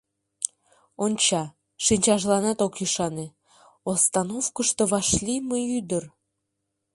Онча — шинчажланат ок ӱшане: остановкышто вашлийме ӱдыр!